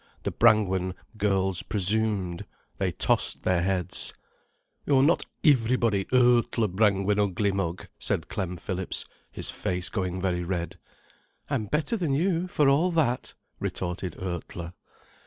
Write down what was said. The Brangwen girls presumed, they tossed their heads. "You're not ivrybody, Urtler Brangwin, ugly mug," said Clem Phillips, his face going very red. "I'm better than you, for all that," retorted Urtler.